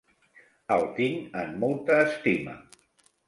El tinc en molta estima.